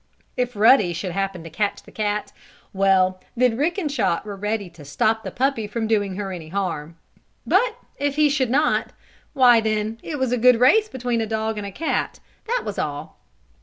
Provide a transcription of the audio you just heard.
If Ruddy should happen to catch the cat well, then Rick and Chot were ready to stop the puppy from doing her any harm. But if he should not why, then it was a good race between a dog and a cat that was all.